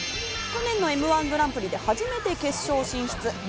去年のＭ−１グランプリで初めて決勝進出。